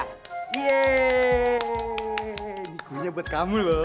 heeey ini kuenya buat kamu loh